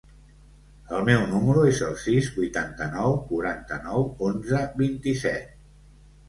El meu número es el sis, vuitanta-nou, quaranta-nou, onze, vint-i-set.